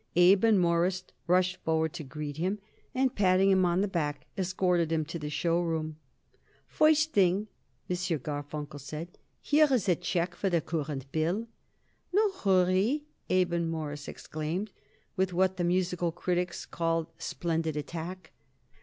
Abe and Morris rushed forward to greet him. Each seized a hand and, patting him on the back, escorted him to the show room. "First thing," M. Garfunkel said, "here is a check for the current bill." "No hurry," Abe and Morris exclaimed, with what the musical critics call splendid attack.